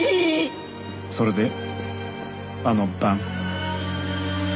それであの晩。